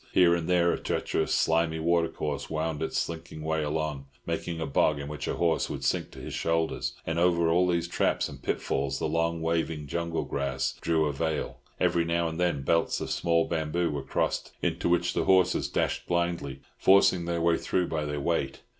Here and there a treacherous, slimy watercourse wound its slinking way along, making a bog in which a horse would sink to his shoulders; and over all these traps and pitfalls the long waving jungle grass drew a veil. Every now and then belts of small bamboo were crossed, into which the horses dashed blindly, forcing their way through by their weight.